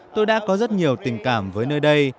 tôi đã có rất nhiều tình cảm với nơi đây